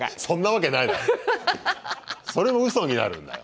それもうそになるんだよ。